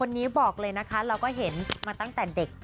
นี้บอกเลยนะคะเราก็เห็นมาตั้งแต่เด็ก